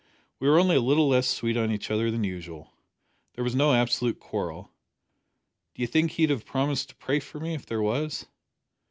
"We were only a little less sweet on each other than usual. There was no absolute quarrel. D'you think he'd have promised to pray for me if there was?"